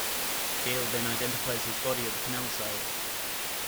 Gail then identifies his body at the canal side.